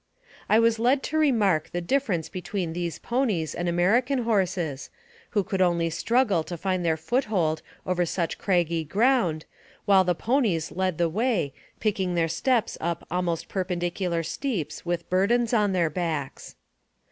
I was led to remark the difference between these ponies and American horses, who could only struggle to find their foothold over such craggy ground, while the ponies led the way, picking their steps up almost perpendicular steeps with burdens on their backs.